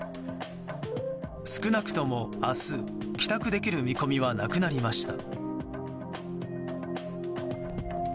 少なくとも明日、帰宅できる見込みはなくなりました。